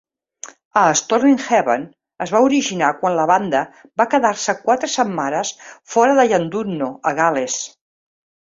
"A Storm in Heaven" es va originar quan la banda va quedar-se quatre setmanes fora de Llandudno, a Gales.